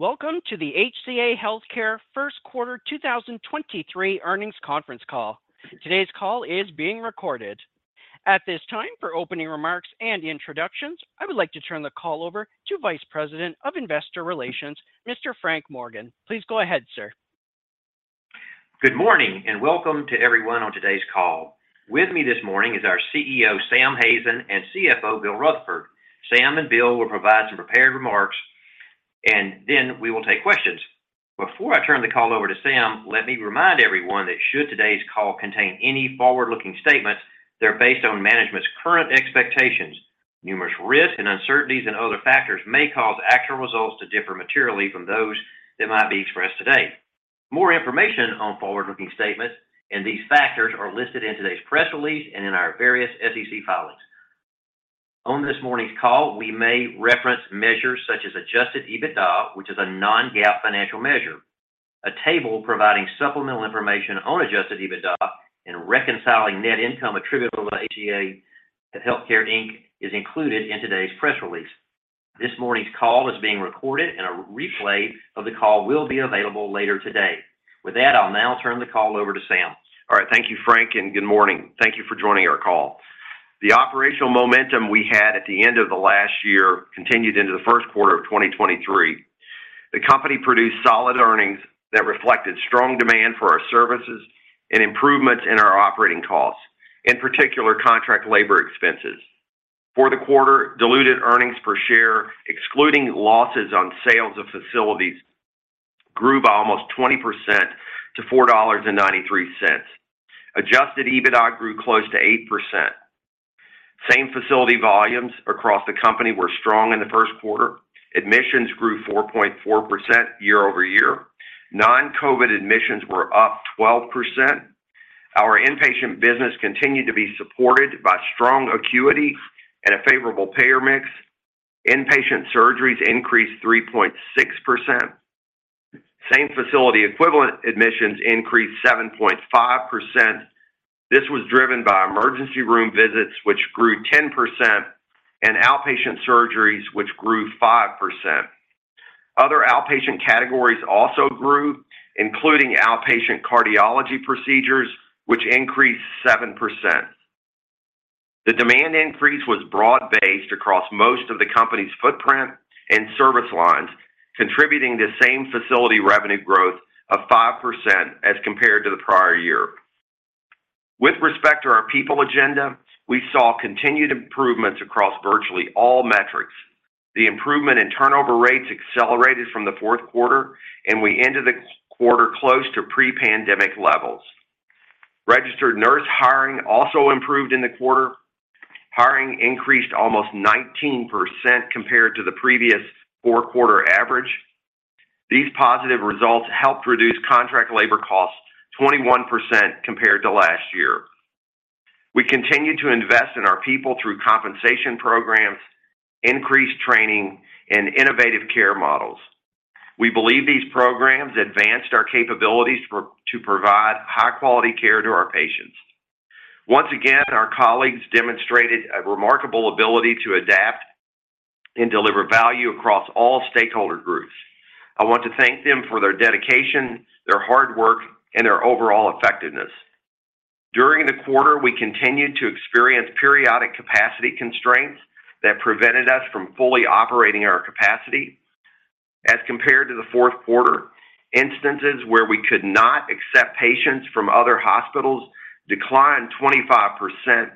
Welcome to the HCA Healthcare Q1 2023 Earnings Conference Call. Today's call is being recorded. At this time, for opening remarks and introductions, I would like to turn the call over to Vice President of Investor Relations, Mr. Frank Morgan. Please go ahead, sir. Good morning. Welcome to everyone on today's call. With me this morning is our CEO, Sam Hazen, and CFO, Bill Rutherford. Sam and Bill will provide some prepared remarks, and then we will take questions. Before I turn the call over to Sam, let me remind everyone that should today's call contain any forward-looking statements, they're based on management's current expectations. Numerous risks and uncertainties and other factors may cause actual results to differ materially from those that might be expressed today. More information on forward-looking statements and these factors are listed in today's press release and in our various SEC filings. On this morning's call, we may reference measures such as adjusted EBITDA, which is a non-GAAP financial measure. A table providing supplemental information on adjusted EBITDA and reconciling net income attributable to HCA Healthcare, Inc. is included in today's press release. This morning's call is being recorded and a replay of the call will be available later today. With that, I'll now turn the call over to Sam. All right. Thank you, Frank. Good morning. Thank you for joining our call. The operational momentum we had at the end of the last continued into the Q1 of 2023. The company produced solid earnings that reflected strong demand for our services and improvements in our operating costs, in particular, contract labor expenses. For the quarter, Diluted Earnings Per Share, excluding losses on sales of facilities, grew by almost 20% to $4.93. Adjusted EBITDA grew close to 8%. Same facility volumes across the company were strong in the Q1. Admissions grew 4.4% year-over-year. Non-COVID admissions were up 12%. Our inpatient business continued to be supported by strong acuity and a favorable payer mix. Inpatient surgeries increased 3.6%. Same facility equivalent admissions increased 7.5%. This was driven by emergency room visits, which grew 10%, and outpatient surgeries, which grew 5%. Other outpatient categories also grew, including outpatient cardiology procedures, which increased 7%. The demand increase was broad-based across most of the company's footprint and service lines, contributing to same facility revenue growth of 5% as compared to the prior year. With respect to our people agenda, we saw continued improvements across virtually all metrics. The improvement in turnover rates accelerated from the Q4. We ended the quarter close to pre-pandemic levels. Registered nurse hiring also improved in the quarter. Hiring increased almost 19% compared to the previous four-quarter average. These positive results helped reduce contract labor costs 21% compared to last year. We continued to invest in our people through compensation programs, increased training, and innovative care models. We believe these programs advanced our capabilities to provide high-quality care to our patients. Once again, our colleagues demonstrated a remarkable ability to adapt and deliver value across all stakeholder groups. I want to thank them for their dedication, their hard work, and their overall effectiveness. During the quarter, we continued to experience periodic capacity constraints that prevented us from fully operating our capacity. As compared to the Q4, instances where we could not accept patients from other hospitals declined 25%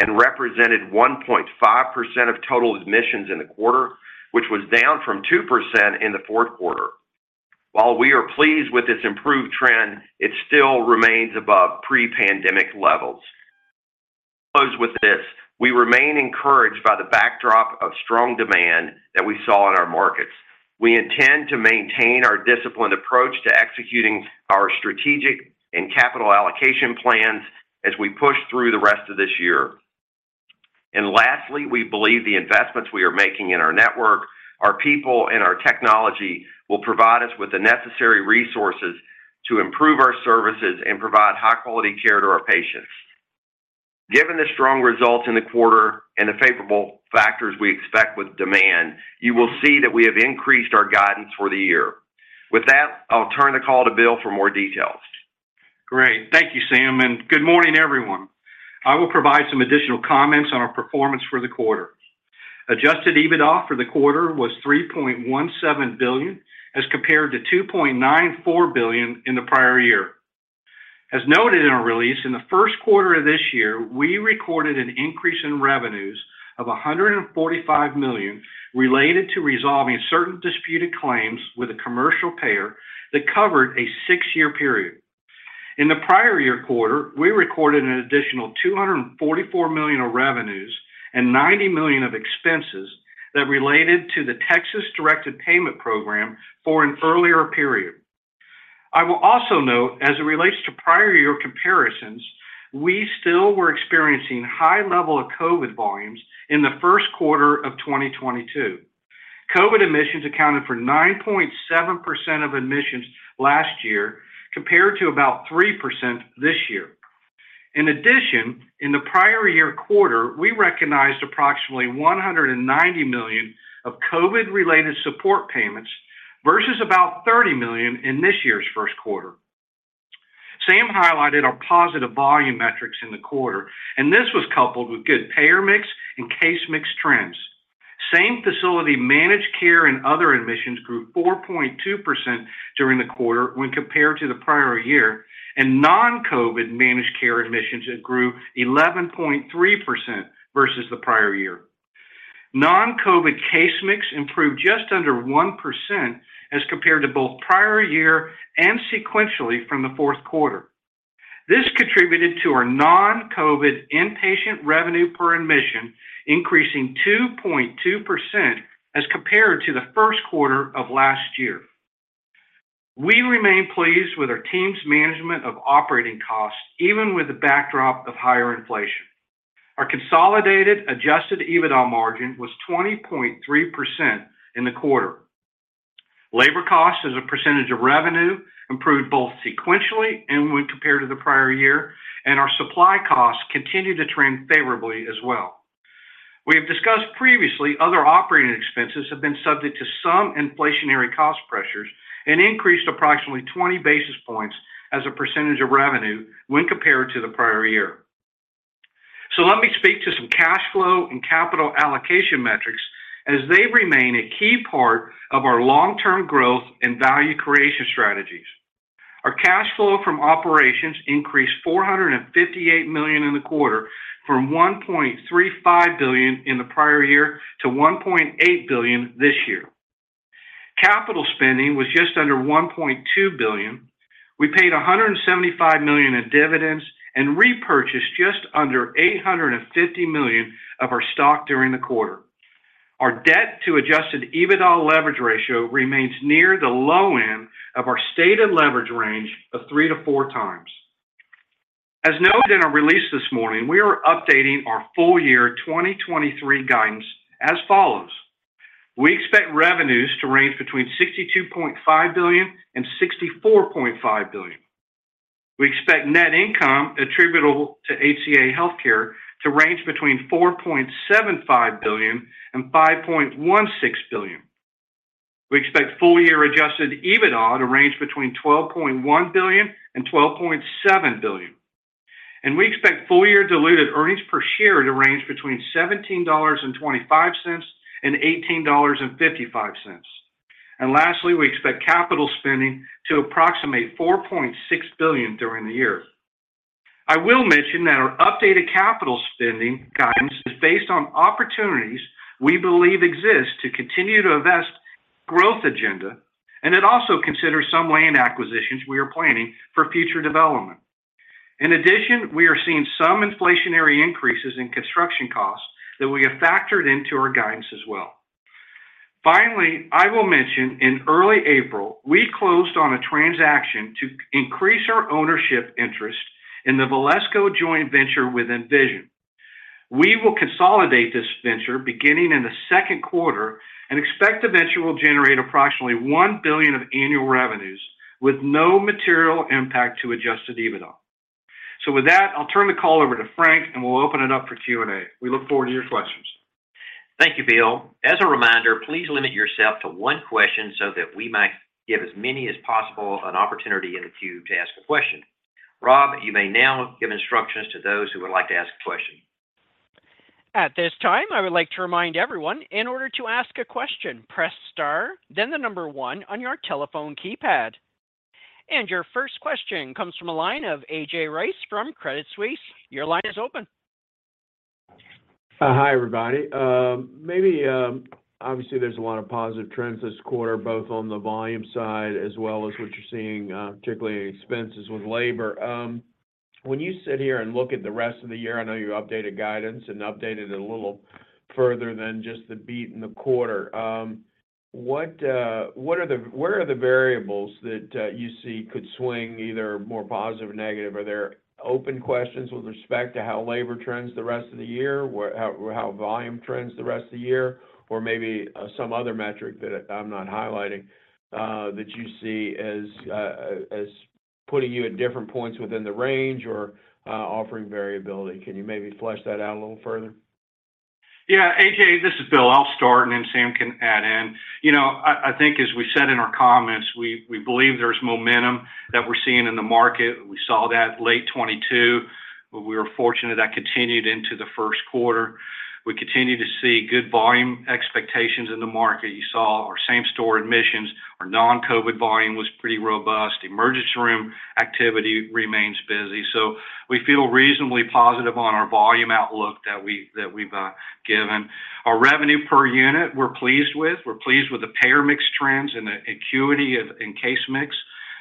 and represented 1.5% of total admissions in the quarter, which was down from 2% in the Q4. While we are pleased with this improved trend, it still remains above pre-pandemic levels. I'll close with this. We remain encouraged by the backdrop of strong demand that we saw in our markets. We intend to maintain our disciplined approach to executing our strategic and capital allocation plans as we push through the rest of this year. Lastly, we believe the investments we are making in our network, our people, and our technology will provide us with the necessary resources to improve our services and provide high-quality care to our patients. Given the strong results in the quarter and the favorable factors we expect with demand, you will see that we have increased our guidance for the year. With that, I'll turn the call to Bill for more details. Great. Thank you, Sam, good morning, everyone. I will provide some additional comments on our performance for the quarter. Adjusted EBITDA for the quarter was $3.17 billion as compared to $2.94 billion in the prior year. As noted in our release, in the Q1 of this year, we recorded an increase in revenues of $145 million related to resolving certain disputed claims with a commercial payer that covered a 6-year period. In the prior year quarter, we recorded an additional $244 million of revenues and $90 million of expenses that related to the Texas Directed Payment program for an earlier period. I will also note, as it relates to prior year comparisons, we still were experiencing high level of COVID volumes in the Q1 of 2022. COVID admissions accounted for 9.7% of admissions last year, compared to about 3% this year. In the prior year quarter, we recognized approximately $190 million of COVID-related support payments versus about $30 million in this year's Q1. Sam highlighted our positive volume metrics in the quarter, and this was coupled with good payer mix and case mix trends. Same facility managed care and other admissions grew 4.2% during the quarter when compared to the prior year, and non-COVID managed care admissions grew 11.3% versus the prior year. Non-COVID case mix improved just under 1% as compared to both prior year and sequentially from the Q4. This contributed to our non-COVID inpatient revenue per admission increasing 2.2% as compared to the Q1 of last year. We remain pleased with our team's management of operating costs, even with the backdrop of higher inflation. Our consolidated adjusted EBITDA margin was 20.3% in the quarter. Labor costs as a percentage of revenue improved both sequentially and when compared to the prior year, and our supply costs continued to trend favorably as well. We have discussed previously other operating expenses have been subject to some inflationary cost pressures and increased approximately 20 basis points as a percentage of revenue when compared to the prior year. Let me speak to some cash flow and capital allocation metrics as they remain a key part of our long-term growth and value creation strategies. Our cash flow from operations increased $458 million in the quarter from $1.35 billion in the prior year to $1.8 billion this year. Capital spending was just under $1.2 billion. We paid $175 million in dividends and repurchased just under $850 million of our stock during the quarter. Our debt to adjusted EBITDA leverage ratio remains near the low end of our stated leverage range of 3-4 times. As noted in our release this morning, we are updating our full-year 2023 guidance as follows. We expect revenues to range between $62.5 billion-$64.5 billion. We expect net income attributable to HCA Healthcare to range between $4.75 billion-$5.16 billion. We expect full-year adjusted EBITDA to range between $12.1 billion-$12.7 billion. We expect full-year diluted earnings per share to range between $17.25-$18.55. Lastly, we expect capital spending to approximate $4.6 billion during the year. I will mention that our updated capital spending guidance is based on opportunities we believe exist to continue to invest growth agenda, and it also considers some land acquisitions we are planning for future development. In addition, we are seeing some inflationary increases in construction costs that we have factored into our guidance as well. Finally, I will mention in early April, we closed on a transaction to increase our ownership interest in the Valesco joint venture with Envision. We will consolidate this venture beginning in the Q2 and expect the venture will generate approximately $1 billion of annual revenues with no material impact to adjusted EBITDA. With that, I'll turn the call over to Frank, and we'll open it up for Q&A. We look forward to your questions. Thank you, Bill. As a reminder, please limit yourself to one question so that we might give as many as possible an opportunity in the queue to ask a question. Rob, you may now give instructions to those who would like to ask a question. At this time, I would like to remind everyone in order to ask a question, press star, then the 1 on your telephone keypad. Your first question comes from a line of A.J. Rice from Credit Suisse. Your line is open. Hi, everybody. maybe, obviously, there's a lot of positive trends this quarter, both on the volume side as well as what you're seeing, particularly in expenses with labor. When you sit here and look at the rest of the year, I know you updated guidance and updated it a little further than just the beat in the quarter. What are the variables that you see could swing either more positive or negative? Are there open questions with respect to how labor trends the rest of the year, how volume trends the rest of the year, or maybe some other metric that I'm not highlighting, that you see as putting you at different points within the range or offering variability? Can you maybe flesh that out a little further? Yeah, A.J., this is Bill. I'll start, and then Sam can add in. You know, I think as we said in our comments, we believe there's momentum that we're seeing in the market. We saw that late 2022. We were fortunate that continued into the Q1. We continue to see good volume expectations in the market. You saw our same-store admissions. Our non-COVID volume was pretty robust. Emergency room activity remains busy. We feel reasonably positive on our volume outlook that we've given. Our revenue per unit, we're pleased with. We're pleased with the payer mix trends and the acuity of, and Case Mix.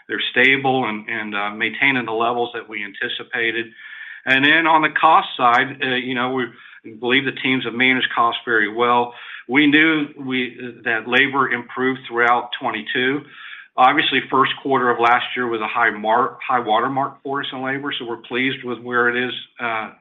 They're stable and maintaining the levels that we anticipated. On the cost side, we believe the teams have managed costs very well. We knew that labor improved throughout 2022. Obviously, Q1 of last year was a high watermark for us in labor, so we're pleased with where it is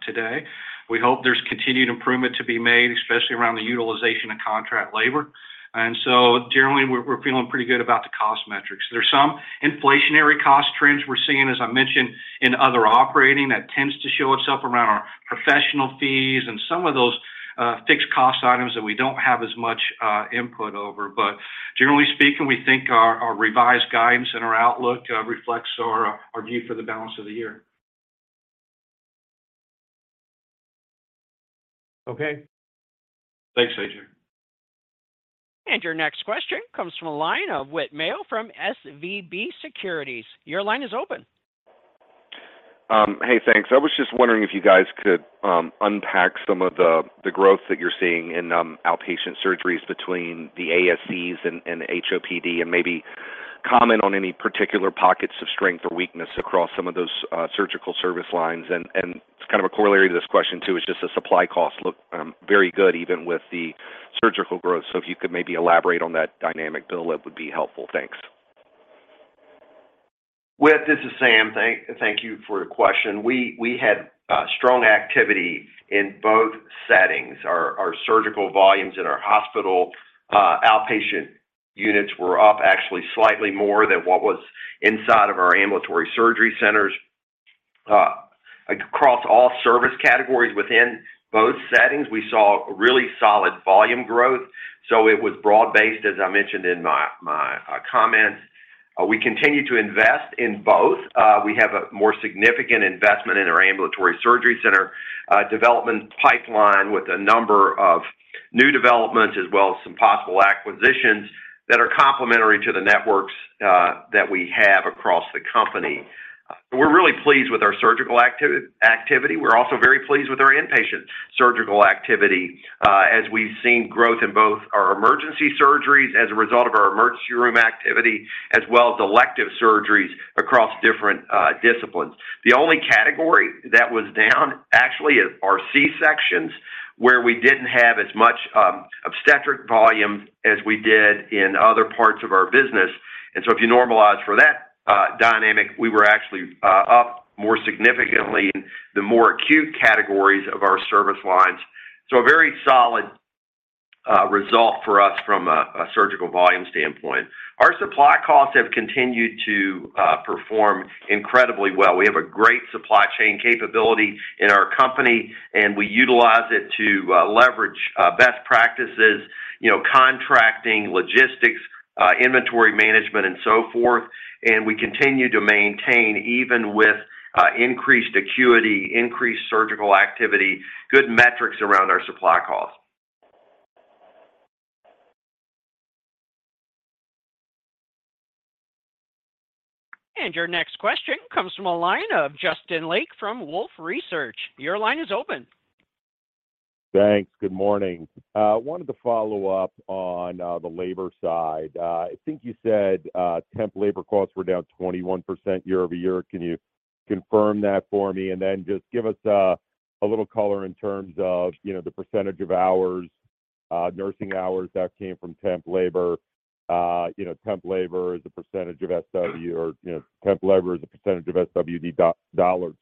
today. We hope there's continued improvement to be made, especially around the utilization of contract labor. Generally, we're feeling pretty good about the cost metrics. There's some inflationary cost trends we're seeing, as I mentioned, in other operating that tends to show itself around our professional fees and some of those fixed cost items that we don't have as much input over. Generally speaking, we think our revised guidance and our outlook reflects our view for the balance of the year. Okay. Thanks, AJ. Your next question comes from a line of Whit Mayo from SVB Securities. Your line is open. Hey, thanks. I was just wondering if you guys could unpack some of the growth that you're seeing in outpatient surgeries between the ASCs and the HOPD, and maybe comment on any particular pockets of strength or weakness across some of those surgical service lines. It's kind of a corollary to this question, too, is just the supply costs look very good even with the surgical growth. If you could maybe elaborate on that dynamic, Bill, that would be helpful. Thanks. Whit, this is Sam. Thank you for your question. We had strong activity in both settings. Our surgical volumes in our hospital outpatient units were up actually slightly more than what was inside of our ambulatory surgery centers. Across all service categories within both settings, we saw really solid volume growth, so it was broad-based, as I mentioned in my comments. We continue to invest in both. We have a more significant investment in our ambulatory surgery center development pipeline with a number of new developments as well as some possible acquisitions that are complementary to the networks that we have across the company. We're really pleased with our surgical activity. We're also very pleased with our inpatient surgical activity, as we've seen growth in both our emergency surgeries as a result of our emergency room activity, as well as elective surgeries across different disciplines. The only category that was down actually is our C-sections, where we didn't have as much obstetric volume as we did in other parts of our business. If you normalize for that dynamic, we were actually up more significantly in the more acute categories of our service lines. A very solid result for us from a surgical volume standpoint. Our supply costs have continued to perform incredibly well. We have a great supply chain capability in our company, and we utilize it to leverage best practices, contracting, logistics, inventory management, and so forth. We continue to maintain, even with increased acuity, increased surgical activity, good metrics around our supply costs. Your next question comes from a line of Justin Lake from Wolfe Research. Your line is open. Thanks. Good morning. Wanted to follow up on the labor side. I think you said temp labor costs were down 21% year-over-year. Can you confirm that for me? Just give us a little color in terms of the percentage of hours, nursing hours that came from temp labor. You know, temp labor as a percentage of SW or, temp labor as a percentage of SWB dollars.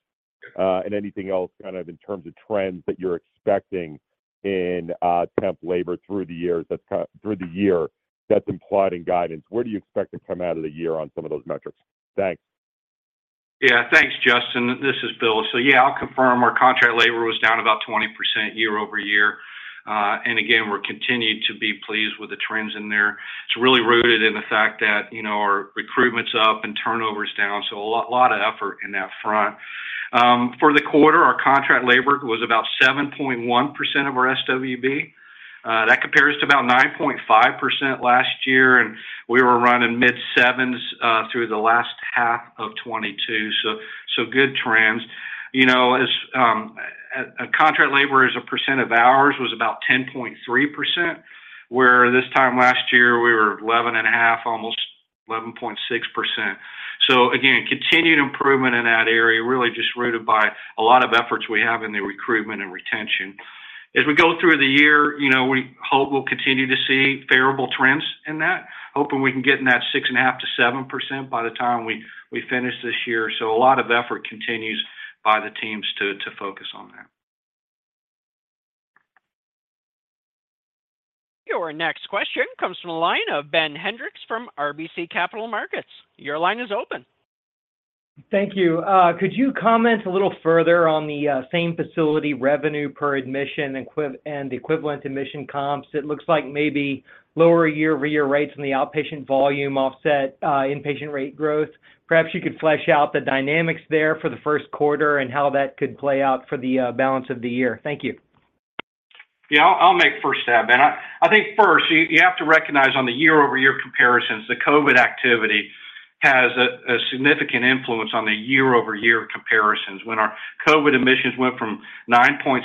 Anything else kind of in terms of trends that you're expecting in temp labor through the year that's implied in guidance. Where do you expect to come out of the year on some of those metrics? Thanks. Thanks, Justin. This is Bill. I'll confirm our contract labor was down about 20% year-over-year. Again, we're continued to be pleased with the trends in there. It's really rooted in the fact that, our recruitment's up and turnover is down, a lot of effort in that front. For the quarter, our contract labor was about 7.1% of our SWB. That compares to about 9.5% last year, we were running mid-sevens through the last half of 2022, good trends. You know, as contract labor as a percent of ours was about 10.3%, where this time last year, we were 11.5%, almost 11.6%. Again, continued improvement in that area, really just rooted by a lot of efforts we have in the recruitment and retention. As we go through the year, we hope we'll continue to see favorable trends in that, hoping we can get in that 6.5%-7% by the time we finish this year. A lot of effort continues by the teams to focus on that. Your next question comes from a line of Ben Hendrix from RBC Capital Markets. Your line is open. Thank you. Could you comment a little further on the same facility revenue per admission and the equivalent admission comps? It looks like maybe lower year-over-year rates in the outpatient volume offset inpatient rate growth. Perhaps you could flesh out the dynamics there for the Q1 and how that could play out for the balance of the year. Thank you. Yeah. I'll make first stab, Ben. I think first, you have to recognize on the year-over-year comparisons, the COVID activity has a significant influence on the year-over-year comparisons. When our COVID admissions went from 9.7%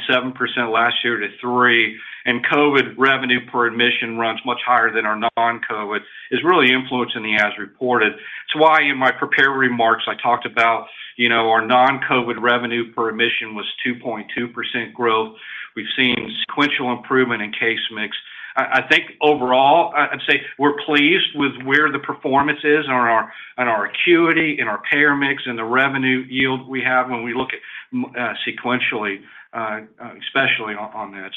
last year to 3%, and COVID revenue per admission runs much higher than our non-COVID, is really influencing the as reported. That's why in my prepared remarks, I talked about, our non-COVID revenue per admission was 2.2% growth. We've seen sequential improvement in Case Mix. I think overall I'd say we're pleased with where the performance is in our, in our acuity, in our payer mix, and the revenue yield we have when we look at sequentially, especially on that.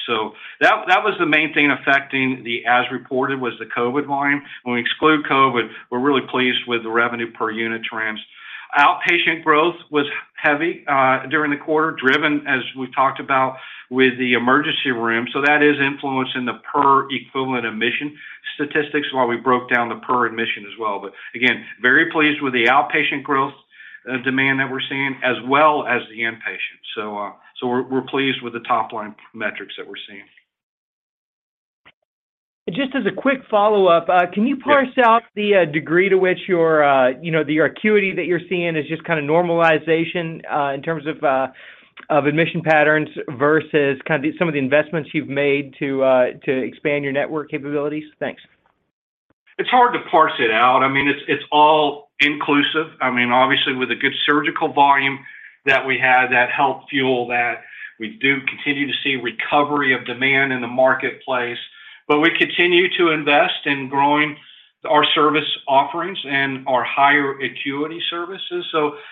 That, that was the main thing affecting the as-reported was the COVID volume. When we exclude COVID, we're really pleased with the revenue per unit trends. Outpatient growth was heavy during the quarter, driven, as we talked about, with the emergency room. That is influencing the per equivalent admission statistics while we broke down the per admission as well. Again, very pleased with the outpatient growth, demand that we're seeing as well as the inpatient. We're pleased with the top-line metrics that we're seeing. Just as a quick follow-up, Yeah. Can you parse out the degree to which your, the acuity that you're seeing is just kind of normalization in terms of of admission patterns versus kind of some of the investments you've made to expand your network capabilities? Thanks. It's hard to parse it out. I mean, it's all inclusive. I mean, obviously with the good surgical volume that we had that helped fuel that. We do continue to see recovery of demand in the marketplace. We continue to invest in growing our service offerings and our higher acuity services.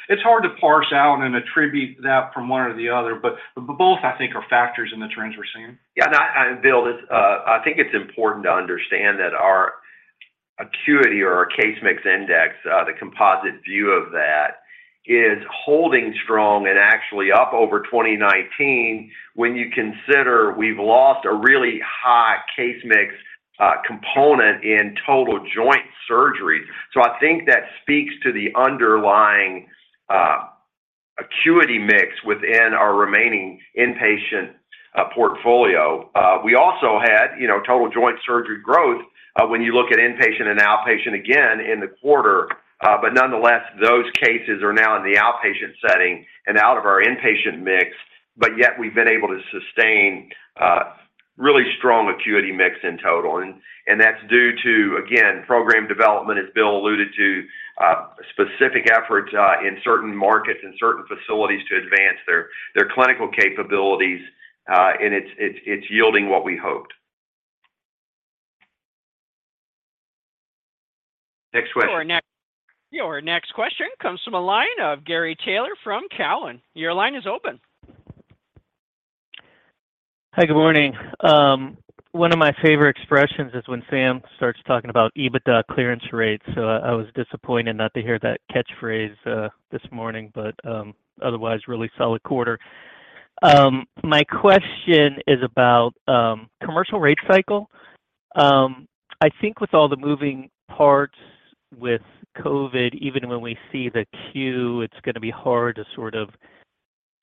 It's hard to parse out and attribute that from one or the other. Both I think are factors in the trends we're seeing. Yeah. I, Bill, this, I think it's important to understand that our acuity or our Case Mix Index, the composite view of that is holding strong and actually up over 2019 when you consider we've lost a really high case mix component in total joint surgery. I think that speaks to the underlying acuity mix within our remaining inpatient portfolio. We also had, total joint surgery growth, when you look at inpatient and outpatient again in the quarter. Nonetheless, those cases are now in the outpatient setting and out of our inpatient mix, yet we've been able to sustain really strong acuity mix in total. That's due to, again, program development, as Bill alluded to, specific efforts, in certain markets and certain facilities to advance their clinical capabilities, and it's yielding what we hoped. Next question. Your next question comes from a line of Gary Taylor from Cowen. Your line is open. Hi, good morning. one of my favorite expressions is when Sam starts talking about EBITDA clearance rates, so I was disappointed not to hear that catchphrase this morning, but otherwise, really solid quarter. My question is about commercial rate cycle. I think with all the moving parts with COVID, even when we see the queue, it's going to be hard to sort of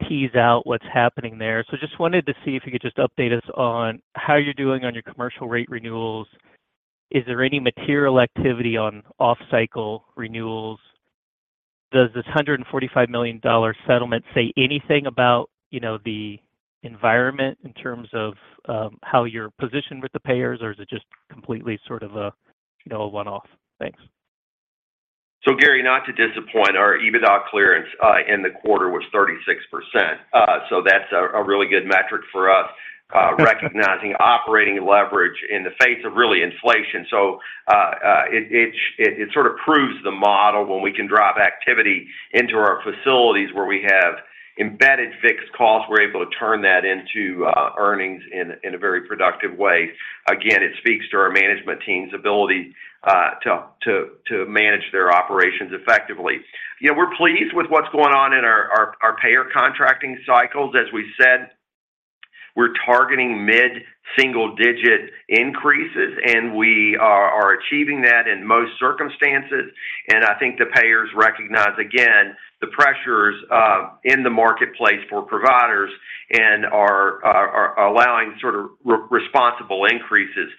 tease out what's happening there. Just wanted to see if you could just update us on how you're doing on your commercial rate renewals. Is there any material activity on off-cycle renewals? Does this $145 million settlement say anything about, the environment in terms of how you're positioned with the payers, or is it just completely sort of a one-off? Thanks. Gary, not to disappoint, our EBITDA clearance in the quarter was 36%. That's a really good metric for us, recognizing operating leverage in the face of really inflation. It sort of proves the model when we can drive activity into our facilities where we have embedded fixed costs, we're able to turn that into earnings in a very productive way. Again, it speaks to our management team's ability to manage their operations effectively. Yeah, we're pleased with what's going on in our payer contracting cycles. As we said, we're targeting mid-single-digit increases, we are achieving that in most circumstances. I think the payers recognize, again, the pressures in the marketplace for providers and are allowing sort of re-responsible increases.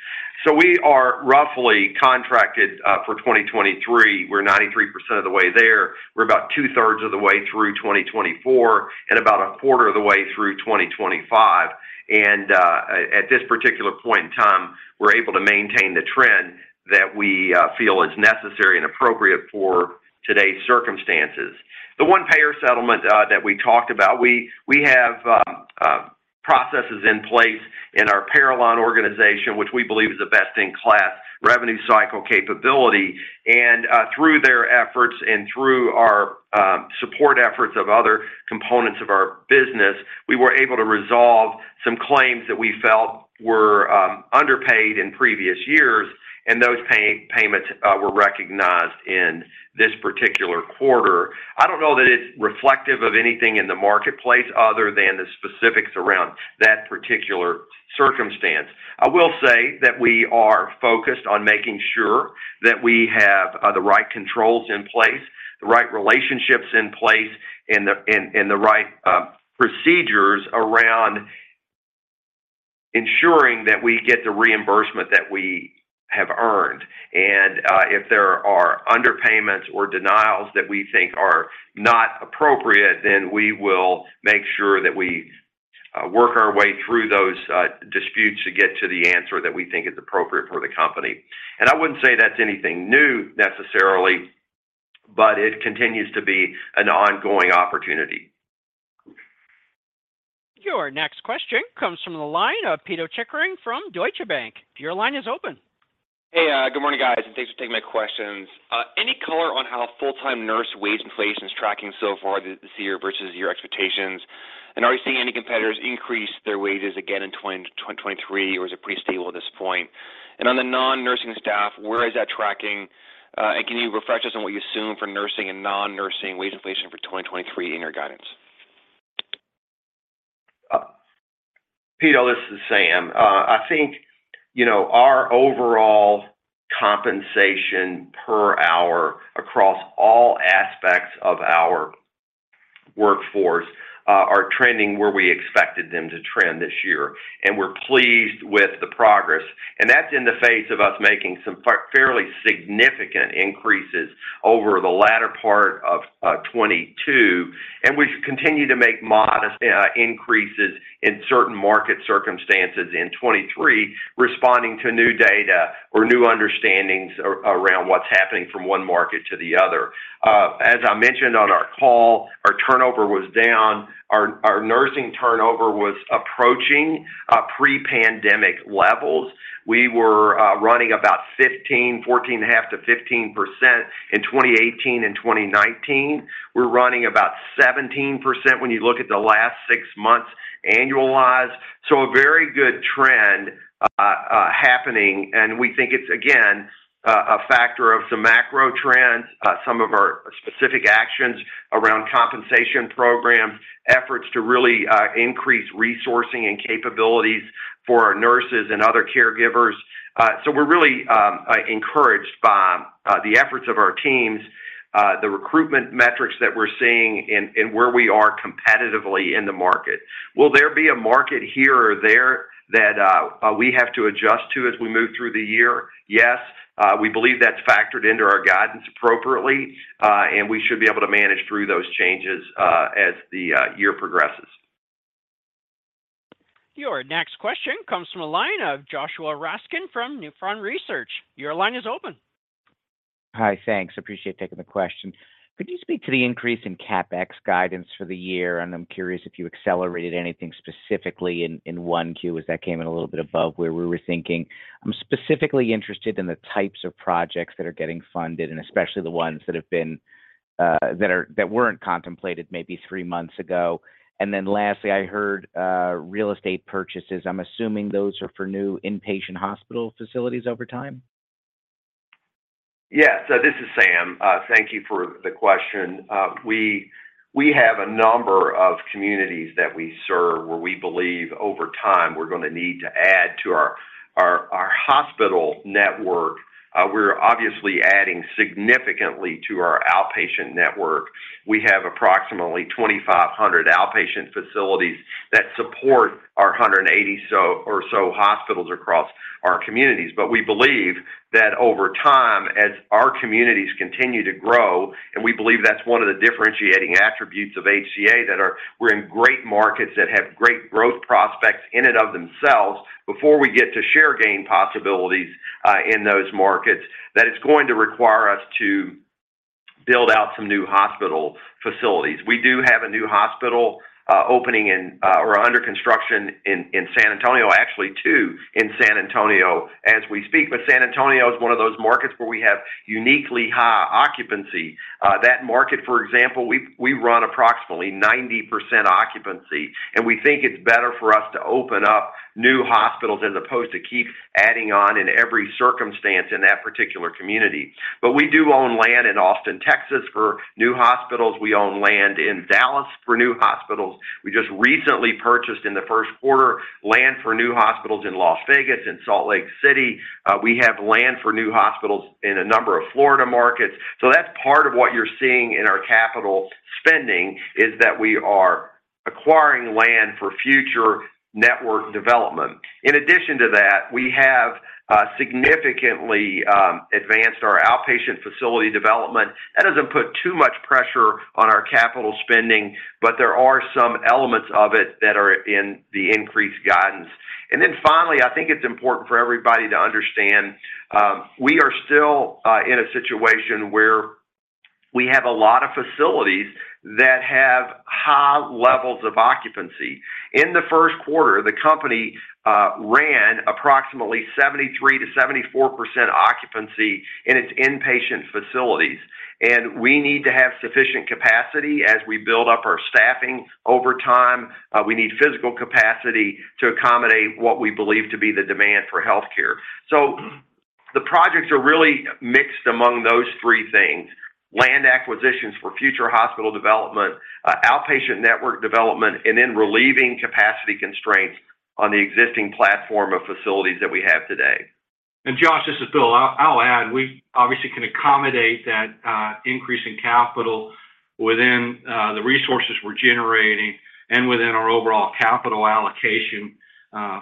We are roughly contracted for 2023. We're 93% of the way there. We're about two-thirds of the way through 2024 and about a quarter of the way through 2025. At this particular point in time, we're able to maintain the trend that we feel is necessary and appropriate for today's circumstances. The one payer settlement that we talked about, we have processes in place in our PayorLine organization, which we believe is a best-in-class Revenue Cycle capability. Through their efforts and through our support efforts of other components of our business, we were able to resolve some claims that we felt were underpaid in previous years, and those payments were recognized in this particular quarter. I don't know that it's reflective of anything in the marketplace other than the specifics around that particular circumstance. I will say that we are focused on making sure that we have the right controls in place, the right relationships in place, and the right procedures around ensuring that we get the reimbursement that we have earned. If there are underpayments or denials that we think are not appropriate, then we will make sure that we work our way through those disputes to get to the answer that we think is appropriate for the company. I wouldn't say that's anything new necessarily, but it continues to be an ongoing opportunity. Your next question comes from the line of Pito Chickering from Deutsche Bank. Your line is open. Hey, good morning, guys, and thanks for taking my questions. Any color on how full-time nurse wage inflation is tracking so far this year versus your expectations? Are you seeing any competitors increase their wages again in 2023 or is it pretty stable at this point? On the non-nursing staff, where is that tracking, and can you reflect us on what you assume for nursing and non-nursing wage inflation for 2023 in your guidance? Peter, this is Sam. I think, our overall compensation per hour across all aspects of our workforce, are trending where we expected them to trend this year, and we're pleased with the progress. That's in the face of us making some fairly significant increases over the latter part of 2022, and we continue to make modest increases in certain market circumstances in 2023, responding to new data or new understandings around what's happening from one market to the other. As I mentioned on our call, our turnover was down. Our nursing turnover was approaching pre-pandemic levels. We were running about 15, 14.5%-15% in 2018 and 2019. We're running about 17% when you look at the last six months annualized. A very good trend happening, and we think it's, again, a factor of some macro trends, some of our specific actions around compensation programs, efforts to really increase resourcing and capabilities for our nurses and other caregivers. We're really encouraged by the efforts of our teams, the recruitment metrics that we're seeing in where we are competitively in the market. Will there be a market here or there that we have to adjust to as we move through the year? Yes. We believe that's factored into our guidance appropriately, and we should be able to manage through those changes as the year progresses. Your next question comes from the line of Joshua Raskin from Nephron Research. Your line is open. Hi. Thanks. Appreciate taking the question. Could you speak to the increase in CapEx guidance for the year? I'm curious if you accelerated anything specifically in 1Q as that came in a little bit above where we were thinking. I'm specifically interested in the types of projects that are getting funded and especially the ones that weren't contemplated maybe three months ago. Lastly, I heard real estate purchases. I'm assuming those are for new inpatient hospital facilities over time. Yeah. This is Sam. Thank you for the question. We have a number of communities that we serve where we believe over time, we're going to need to add to our hospital network. We're obviously adding significantly to our outpatient network. We have approximately 2,500 outpatient facilities that support our 180 so or so hospitals across our communities. We believe that over time, as our communities continue to grow, and we believe that's one of the differentiating attributes of HCA, that we're in great markets that have great growth prospects in and of themselves before we get to share gain possibilities in those markets, that it's going to require us to build out some new hospital facilities. We do have a new hospital, opening in or under construction in San Antonio, actually 2 in San Antonio as we speak. San Antonio is one of those markets where we have uniquely high occupancy. That market, for example, we run approximately 90% occupancy, and we think it's better for us to open up new hospitals as opposed to keep adding on in every circumstance in that particular community. We do own land in Austin, Texas, for new hospitals. We own land in Dallas for new hospitals. We just recently purchased in the Q1 land for new hospitals in Las Vegas and Salt Lake City. We have land for new hospitals in a number of Florida markets. That's part of what you're seeing in our capital spending, is that we are acquiring land for future network development. In addition to that, we have significantly advanced our outpatient facility development. That doesn't put too much pressure on our capital spending, but there are some elements of it that are in the increased guidance. Finally, I think it's important for everybody to understand, we are still in a situation where we have a lot of facilities that have high levels of occupancy. In the Q1, the company ran approximately 73%-74% occupancy in its inpatient facilities, and we need to have sufficient capacity as we build up our staffing over time. We need physical capacity to accommodate what we believe to be the demand for healthcare. The projects are really mixed among those three things: land acquisitions for future hospital development, outpatient network development, and then relieving capacity constraints on the existing platform of facilities that we have today. Josh, this is Bill. I'll add, we obviously can accommodate that increase in capital within the resources we're generating and within our overall capital allocation.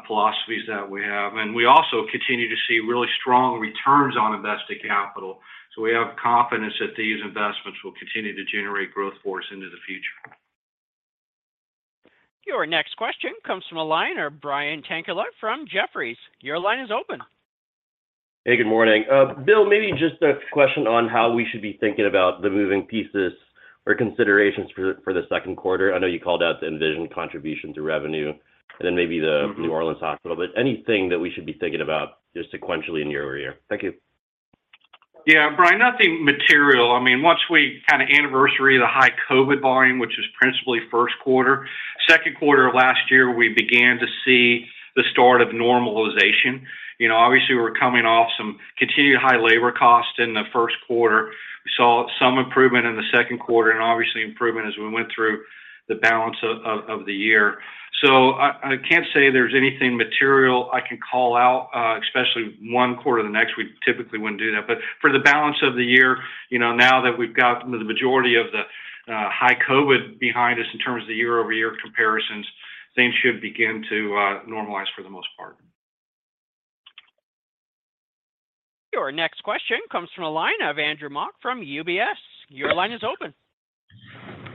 philosophies that we have. We also continue to see really strong returns on invested capital. We have confidence that these investments will continue to generate growth for us into the future. Your next question comes from a line of Brian Tanquilut from Jefferies. Your line is open. Hey, good morning. Bill, maybe just a question on how we should be thinking about the moving pieces or considerations for the Q2. I know you called out the Envision contribution to revenue, and then maybe. Mm-hmm... New Orleans hospital. Anything that we should be thinking about just sequentially in year-over-year? Thank you. Brian, nothing material. I mean, once we kinda anniversary the high COVID volume, which is principally Q1, Q2of last year, we began to see the start of normalization. You know, obviously, we're coming off some continued high labor costs in the Q1. We saw some improvement in the Q2, and obviously improvement as we went through the balance of the year. I can't say there's anything material I can call out, especially one quarter the next, we typically wouldn't do that. For the balance of the year, now that we've got the majority of the high COVID behind us in terms of the year-over-year comparisons, things should begin to normalize for the most part. Your next question comes from a line of Andrew Mok from UBS. Your line is open.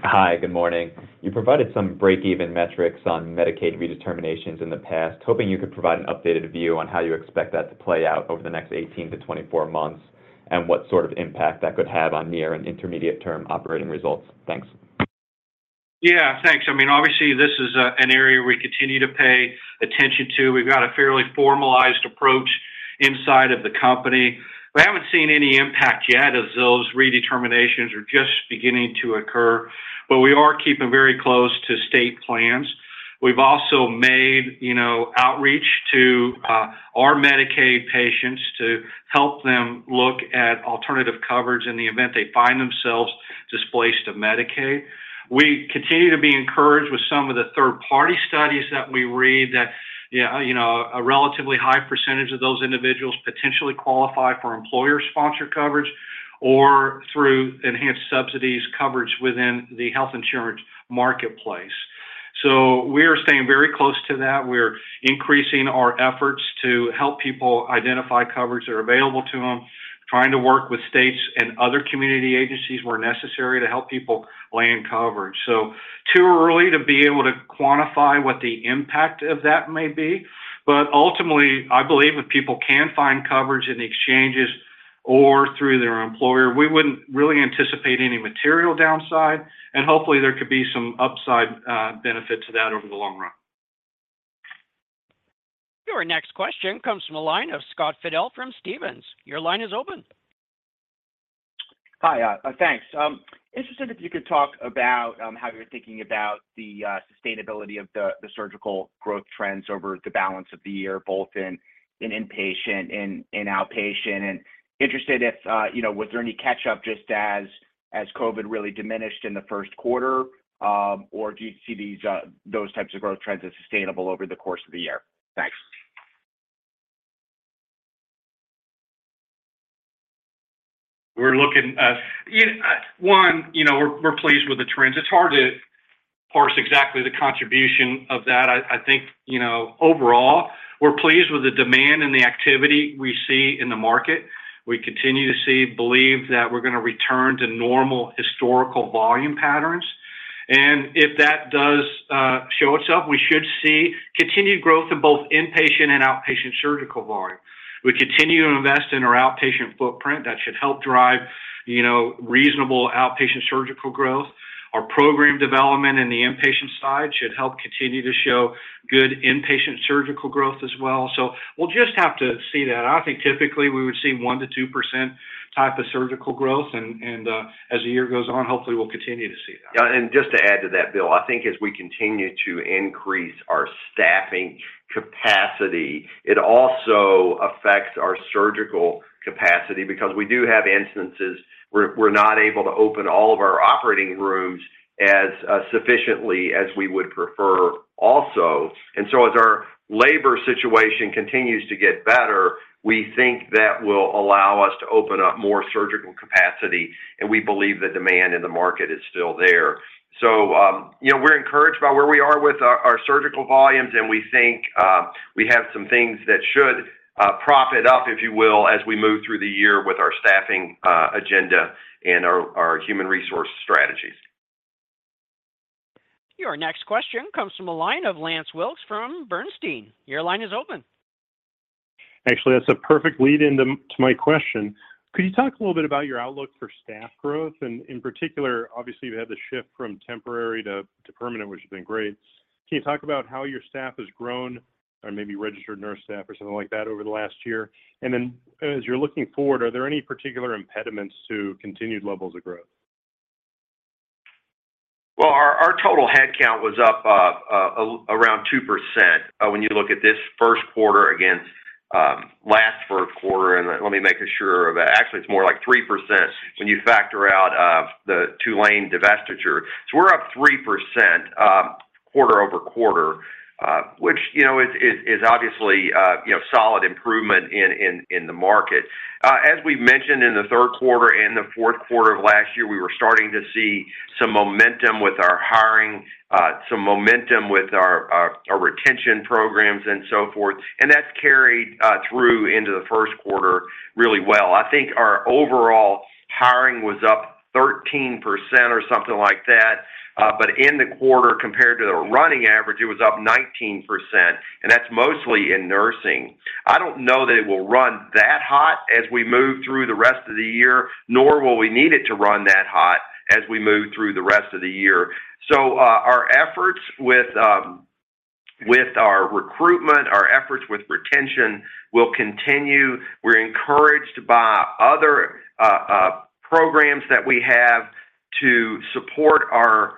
Hi, good morning. You provided some break-even metrics on Medicaid redeterminations in the past. Hoping you could provide an updated view on how you expect that to play out over the next 18-24 months and what sort of impact that could have on near and intermediate term operating results. Thanks. Thanks. I mean, obviously, this is an area we continue to pay attention to. We've got a fairly formalized approach inside of the company. We haven't seen any impact yet as those redeterminations are just beginning to occur, but we are keeping very close to state plans. We've also made, outreach to our Medicaid patients to help them look at alternative coverage in the event they find themselves displaced of Medicaid. We continue to be encouraged with some of the third-party studies that we read that, a relatively high percentage of those individuals potentially qualify for employer-sponsored coverage or through enhanced subsidies coverage within the Health Insurance Marketplace. We are staying very close to that. We're increasing our efforts to help people identify coverage that are available to them, trying to work with states and other community agencies where necessary to help people land coverage. Too early to be able to quantify what the impact of that may be. Ultimately, I believe if people can find coverage in the exchanges or through their employer, we wouldn't really anticipate any material downside, and hopefully, there could be some upside, benefit to that over the long run. Your next question comes from a line of Scott Fidel from Stephens. Your line is open. Hi, thanks. Interested if you could talk about how you're thinking about the sustainability of the surgical growth trends over the balance of the year, both in inpatient and in outpatient. Interested if, was there any catch up just as COVID really diminished in the Q1, or do you see those types of growth trends as sustainable over the course of the year? Thanks. We're looking, we're pleased with the trends. It's hard to parse exactly the contribution of that. I think, overall, we're pleased with the demand and the activity we see in the market. We continue to believe that we're gonna return to normal historical volume patterns. If that does show itself, we should see continued growth in both inpatient and outpatient surgical volume. We continue to invest in our outpatient footprint that should help drive, reasonable outpatient surgical growth. Our program development in the inpatient side should help continue to show good inpatient surgical growth as well. We'll just have to see that. I think typically we would see 1% to 2% type of surgical growth, and as the year goes on, hopefully we'll continue to see that. Yeah. Just to add to that, Bill, I think as we continue to increase our staffing capacity, it also affects our surgical capacity because we do have instances where we're not able to open all of our operating rooms as sufficiently as we would prefer also. As our labor situation continues to get better, we think that will allow us to open up more surgical capacity, and we believe the demand in the market is still there. You know, we're encouraged by where we are with our surgical volumes, and we think we have some things that should prop it up, if you will, as we move through the year with our staffing agenda and our human resource strategies. Your next question comes from a line of Lance Wilkes from Bernstein. Your line is open. Actually, that's a perfect lead into my question. Could you talk a little bit about your outlook for staff growth? In particular, obviously, you had the shift from temporary to permanent, which has been great. Can you talk about how your staff has grown or maybe registered nurse staff or something like that over the last year? As you're looking forward, are there any particular impediments to continued levels of growth? Well, our total headcount was up around 2%, when you look at this Q1 against last Q1. Let me make sure of that. Actually, it's more like 3% when you factor out the Tulane divestiture. We're up 3%, quarter over quarter, which is obviously, solid improvement in the market. As we've mentioned in the Q3 and the Q4 of last year, we were starting to see some momentum with our hiring. Some momentum with our retention programs and so forth, and that's carried through into the Q1 really well. I think our overall hiring was up 13% or something like that, but in the quarter compared to the running average, it was up 19%, and that's mostly in nursing. I don't know that it will run that hot as we move through the rest of the year, nor will we need it to run that hot as we move through the rest of the year. Our efforts with our recruitment, our efforts with retention will continue. We're encouraged by other programs that we have to support our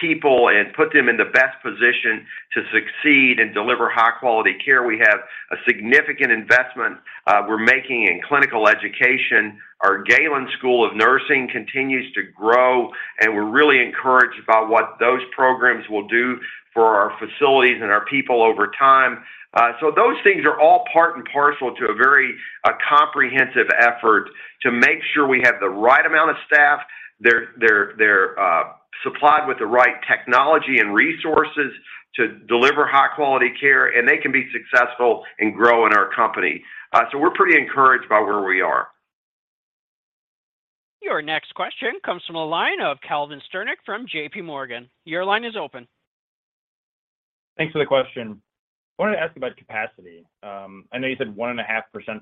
people and put them in the best position to succeed and deliver high quality care. We have a significant investment we're making in clinical education. Our Galen College of Nursing continues to grow. We're really encouraged by what those programs will do for our facilities and our people over time. Those things are all part and parcel to a very, comprehensive effort to make sure we have the right amount of staff. They're supplied with the right technology and resources to deliver high quality care. They can be successful and grow in our company. We're pretty encouraged by where we are. Your next question comes from the line of Calvin Sternick from JPMorgan. Your line is open. Thanks for the question. I wanted to ask about capacity. I know you said 1.5%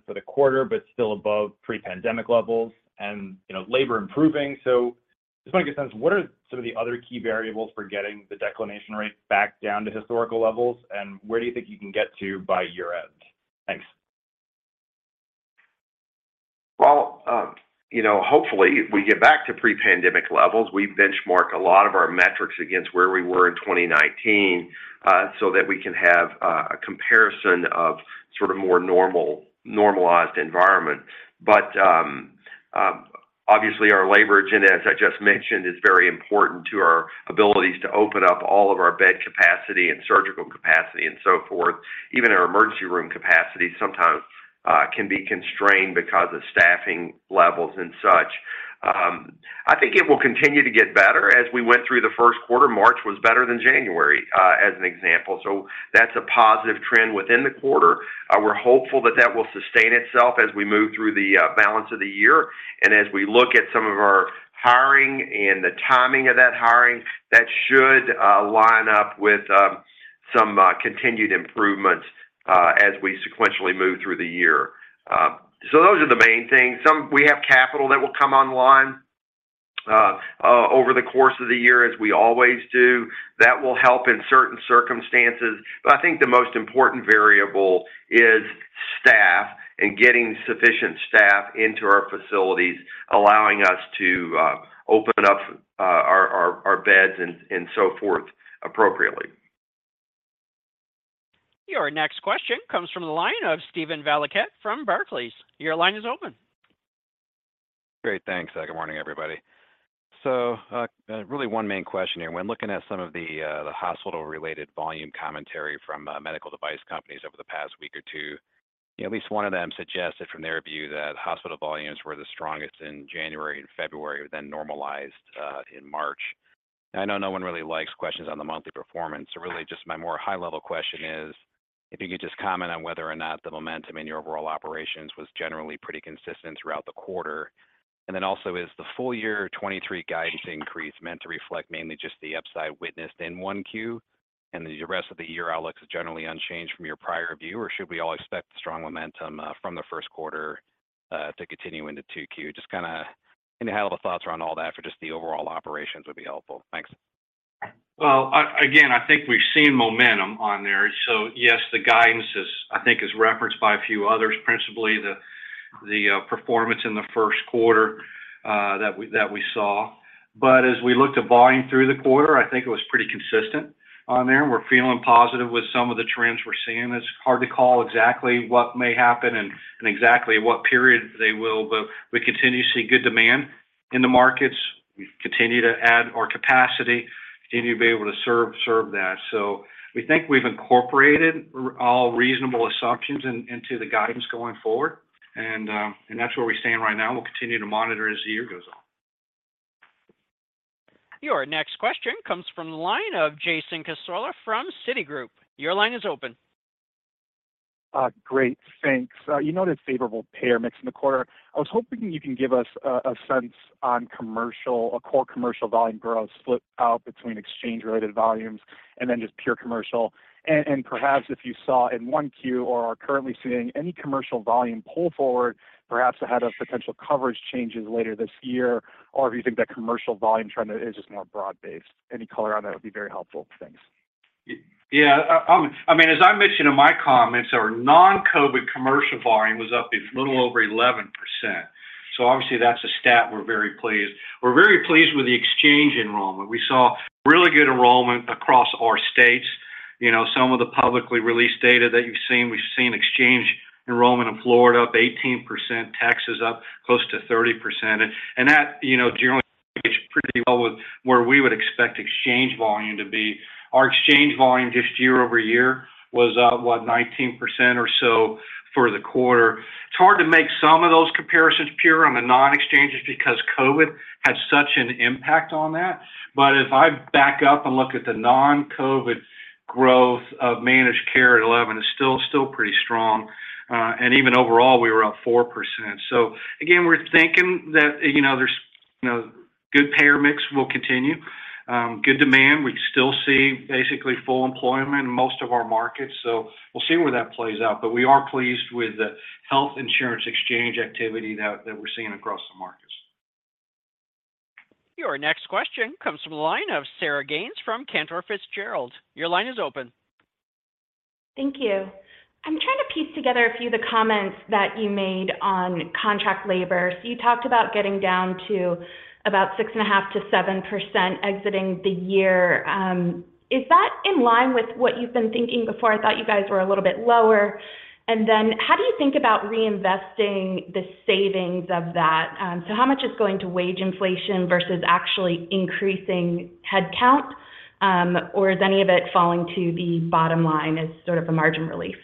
for the quarter, but still above pre-pandemic levels and, labor improving. Just want to get a sense, what are some of the other key variables for getting the declination rate back down to historical levels, and where do you think you can get to by year-end? Thanks. Well, hopefully, we get back to pre-pandemic levels. We benchmark a lot of our metrics against where we were in 2019, so that we can have a comparison of sort of more normal, normalized environment. Obviously, our labor agenda, as I just mentioned, is very important to our abilities to open up all of our bed capacity and surgical capacity and so forth. Even our emergency room capacity sometimes, can be constrained because of staffing levels and such. I think it will continue to get better as we went through the Q1. March was better than January, as an example. That's a positive trend within the quarter. We're hopeful that that will sustain itself as we move through the balance of the year. As we look at some of our hiring and the timing of that hiring, that should line up with some continued improvements as we sequentially move through the year. Those are the main things. We have capital that will come online over the course of the year as we always do. That will help in certain circumstances. I think the most important variable is staff and getting sufficient staff into our facilities, allowing us to open up our beds and so forth appropriately. Your next question comes from the line of Steven Valiquette from Barclays. Your line is open. Great. Thanks. Good morning, everybody. Really one main question here. When looking at some of the hospital-related volume commentary from medical device companies over the past week or two, at least one of them suggests that from their view that hospital volumes were the strongest in January and February, normalized in March. I know no one really likes questions on the monthly performance. Really just my more high-level question is, if you could just comment on whether or not the momentum in your overall operations was generally pretty consistent throughout the quarter. Is the full year 2023 guidance increase meant to reflect mainly just the upside witnessed in 1Q, and the rest of the year outlook is generally unchanged from your prior view? Should we all expect strong momentum, from the Q1 to continue into 2Q? Just kinda any high-level thoughts around all that for just the overall operations would be helpful. Thanks. Well, again, I think we've seen momentum on there. Yes, the guidance is, I think, referenced by a few others, principally the performance in the Q1 that we saw. As we looked at volume through the quarter, I think it was pretty consistent on there. We're feeling positive with some of the trends we're seeing. It's hard to call exactly what may happen and exactly what period they will, but we continue to see good demand in the markets. We continue to add our capacity, continue to be able to serve that. We think we've incorporated all reasonable assumptions into the guidance going forward. That's where we stand right now. We'll continue to monitor as the year goes on. Your next question comes from the line of Jason Cassorla from Citigroup. Your line is open. Great. Thanks. You noted favorable payer mix in the quarter. I was hoping you can give us a sense on commercial or core commercial volume growth split out between exchange-related volumes and then just pure commercial. Perhaps if you saw in 1Q or are currently seeing any commercial volume pull forward, perhaps ahead of potential coverage changes later this year, or if you think that commercial volume trend is just more broad-based. Any color on that would be very helpful. Thanks. Yeah. I mean, as I mentioned in my comments, our non-COVID commercial volume was up a little over 11%. Obviously, that's a stat we're very pleased. We're very pleased with the exchange enrollment. We saw really good enrollment across our states. You know, some of the publicly released data that you've seen, we've seen exchange enrollment in Florida up 18%, Texas up close to 30%. That, generally pretty well with where we would expect exchange volume to be. Our exchange volume just year-over-year was up, what, 19% or so for the quarter. It's hard to make some of those comparisons pure on the non-exchanges because COVID had such an impact on that. If I back up and look at the non-COVID growth of managed care at 11% is still pretty strong. Even overall, we were up 4%. Again, we're thinking that, there's, good payer mix will continue, good demand. We still see basically full employment in most of our markets, so we'll see where that plays out. We are pleased with the health insurance exchange activity that we're seeing across the markets. Your next question comes from the line of Sarah James from Cantor Fitzgerald. Your line is open. Thank you. I'm trying to piece together a few of the comments that you made on contract labor. You talked about getting down to about 6.5%-7% exiting the year. Is that in line with what you've been thinking before? I thought you guys were a little bit lower. How do you think about reinvesting the savings of that? How much is going to wage inflation versus actually increasing headcount? Is any of it falling to the bottom line as sort of a margin relief?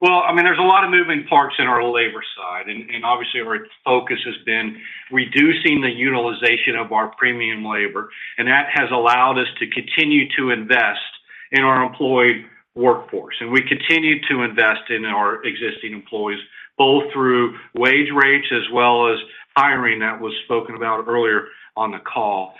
Well, I mean, there's a lot of moving parts in our labor side, obviously, our focus has been reducing the utilization of our premium labor, and that has allowed us to continue to invest in our employee workforce. We continue to invest in our existing employees, both through wage rates as well as hiring that was spoken about earlier on the call.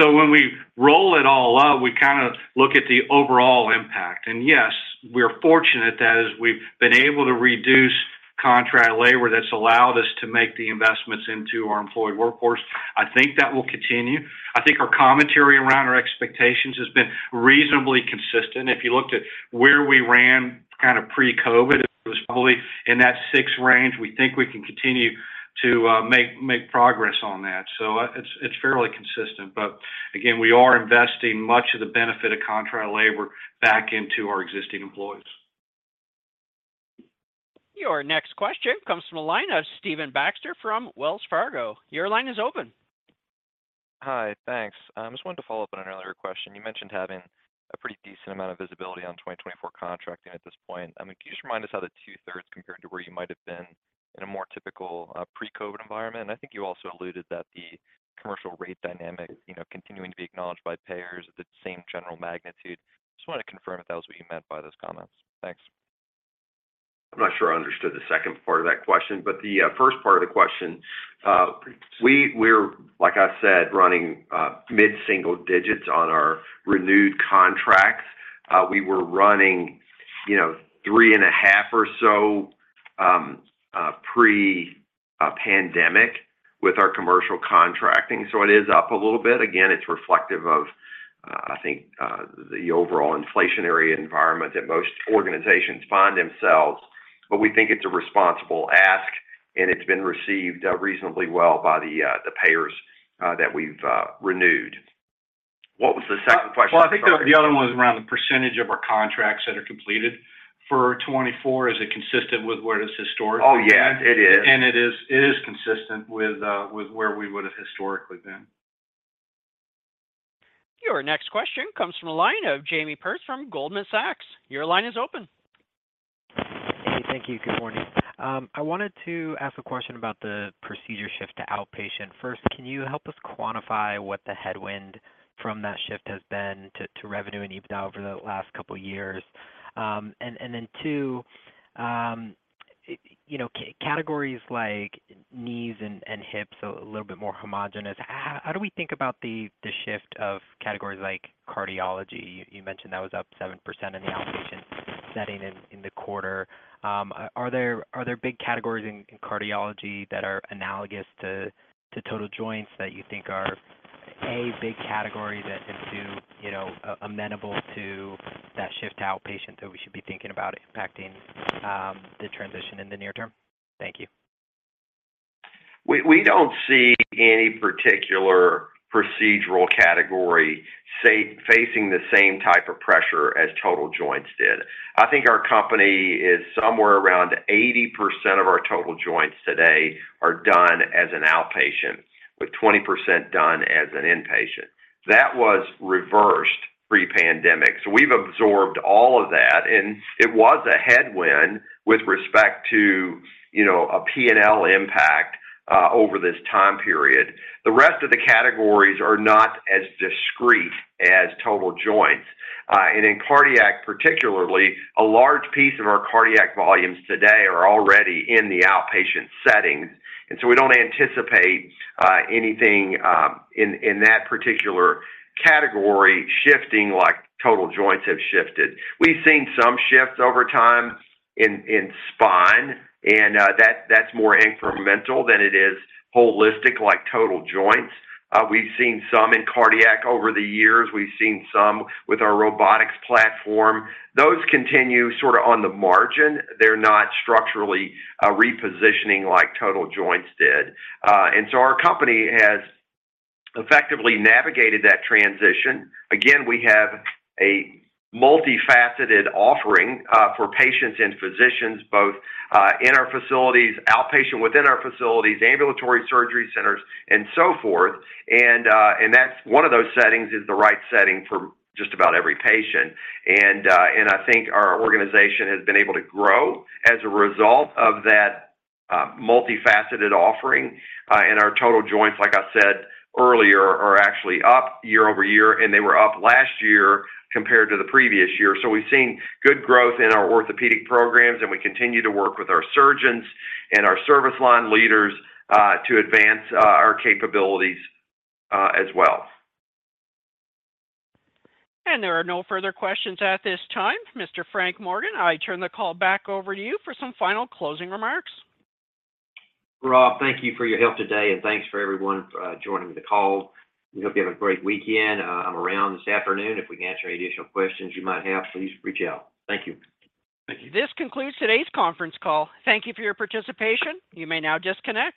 When we roll it all up, we kinda look at the overall impact. Yes, we're fortunate that as we've been able to reduce contract labor, that's allowed us to make the investments into our employee workforce. I think that will continue. I think our commentary around our expectations has been reasonably consistent. If you looked at where we ran kind of pre-COVID, it was probably in that 6 range. We think we can continue to make progress on that. It's fairly consistent. Again, we are investing much of the benefit of contract labor back into our existing employees. Your next question comes from the line of Stephen Baxter from Wells Fargo. Your line is open. Hi, thanks. I just wanted to follow up on an earlier question. You mentioned having a pretty decent amount of visibility on 2024 contracting at this point. I mean, can you just remind us how the 2/3 compared to where you might have been in a more typical, pre-COVID environment? I think you also alluded that the commercial rate dynamic, continuing to be acknowledged by payers at the same general magnitude. Just wanted to confirm if that was what you meant by those comments. Thanks. I'm not sure I understood the second part of that question. The first part of the question, we're, like I said, running mid-single digits on our renewed contracts. We were running, 3.5 or so, pre-pandemic with our commercial contracting, so it is up a little bit. It's reflective of, I think, the overall inflationary environment that most organizations find themselves. We think it's a responsible ask, and it's been received reasonably well by the payers that we've renewed. What was the second question? Sorry. Well, I think the other one was around the percentage of our contracts that are completed for 2024. Is it consistent with where it is historically? Oh, yes, it is. It is consistent with where we would have historically been. Your next question comes from the line of Jamie Perse from Goldman Sachs. Your line is open. Thank you. Good morning. I wanted to ask a question about the procedure shift to outpatient. First, can you help us quantify what the headwind from that shift has been to revenue and EBITDA over the last couple of years? Then 2, categories like knees and hips are a little bit more homogenous. How do we think about the shift of categories like cardiology? You mentioned that was up 7% in the outpatient setting in the quarter. Are there big categories in cardiology that are analogous to total joints that you think are, A, big categories that, amenable to that shift to outpatient that we should be thinking about impacting the transition in the near term? Thank you. We don't see any particular procedural category say, facing the same type of pressure as total joints did. I think our company is somewhere around 80% of our total joints today are done as an outpatient, with 20% done as an inpatient. That was reversed pre-pandemic. We've absorbed all of that, and it was a headwind with respect to,a P&L impact over this time period. The rest of the categories are not as discrete as total joints. In cardiac particularly, a large piece of our cardiac volumes today are already in the outpatient settings. We don't anticipate anything in that particular category shifting like total joints have shifted. We've seen some shifts over time in spine, and that's more incremental than it is holistic, like total joints. We've seen some in cardiac over the years. We've seen some with our robotics platform. Those continue sorta on the margin. They're not structurally repositioning like total joints did. Our company has effectively navigated that transition. Again, we have a multifaceted offering for patients and physicians, both in our facilities, outpatient within our facilities, ambulatory surgery centers, and so forth. That's one of those settings is the right setting for just about every patient. I think our organization has been able to grow as a result of that multifaceted offering. Our total joints, like I said earlier, are actually up year-over-year, and they were up last year compared to the previous year. We've seen good growth in our orthopedic programs, and we continue to work with our surgeons and our service line leaders to advance our capabilities as well. There are no further questions at this time. Mr. Frank Morgan, I turn the call back over to you for some final closing remarks. Rob, thank you for your help today, and thanks for everyone for joining the call. We hope you have a great weekend. I'm around this afternoon. If we can answer any additional questions you might have, please reach out. Thank you. This concludes today's conference call. Thank you for your participation. You may now disconnect.